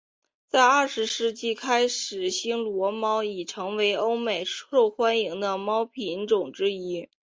在二十世纪开始暹罗猫已成为欧美受欢迎的猫品种之一。